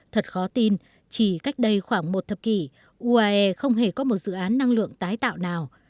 thật khó tin chỉ cách đây khoảng một thập kỷ uae không hề có một dự án năng lượng tái tạo nào